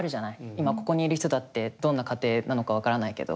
今ここにいる人だってどんな家庭なのか分からないけど。